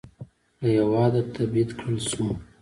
له هېواده تبعید کړل شو.